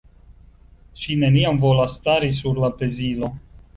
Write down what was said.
Ŝi neniam volas stari sur la pezilo.